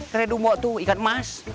keren juga itu ikan emas